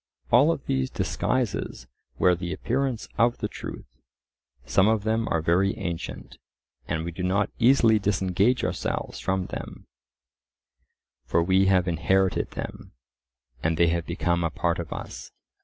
All of these disguises wear the appearance of the truth; some of them are very ancient, and we do not easily disengage ourselves from them; for we have inherited them, and they have become a part of us.